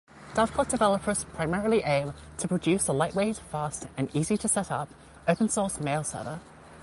Dovecot developers primarily aim to produce a lightweight, fast and easy-to-set-up open-source mailserver.